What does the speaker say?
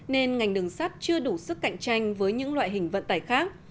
nên ngành đường sắt chưa đủ sức cạnh tranh với những loại hình vận tải khác